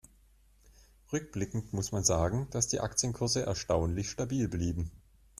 Rückblickend muss man sagen, dass die Aktienkurse erstaunlich stabil blieben.